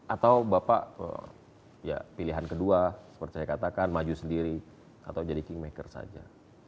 atau bapak ya pilihan kedua seperti saya katakan maju sendiri atau jadi kingmaker saja